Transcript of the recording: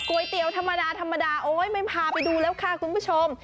เตี๋ยวธรรมดาธรรมดาโอ๊ยไม่พาไปดูแล้วค่ะคุณผู้ชม